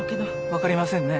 分かりませんね。